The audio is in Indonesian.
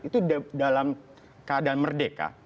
itu dalam keadaan merdeka